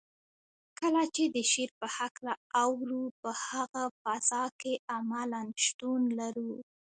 کله چې د شعر په هکله اورو په هغه فضا کې عملاً شتون لرو.